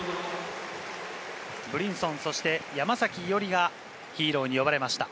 ブリンソン、そして山崎伊織がヒーローに呼ばれました。